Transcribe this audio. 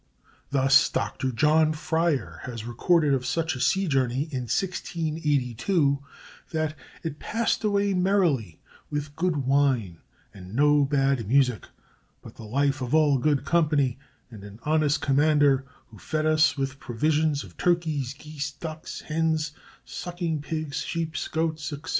Thus Dr. John Fryer has recorded of such a sea journey in 1682 that "it passed away merrily with good wine and no bad musick; but the life of all good company, and an honest commander, who fed us with fresh provisions of turkies, geese, ducks, hens, sucking pigs, sheep, goats, etc."